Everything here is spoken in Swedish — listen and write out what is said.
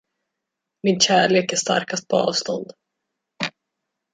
Min kärlek är starkast på avstånd.